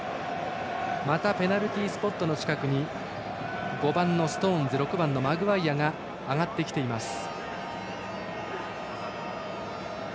またペナルティースポットの近くに５番、ストーンズ６番、マグワイアが上がってきています。